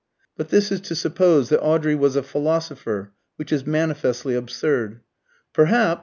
But this is to suppose that Audrey was a philosopher, which is manifestly absurd. Perhaps!